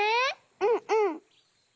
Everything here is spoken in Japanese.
うんうん。